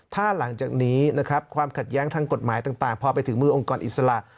ถ้าหลังจากนี้นะครับความขัดแย้งทางกฎหมายต่างพอไปถึงมือองค์กรอิสระ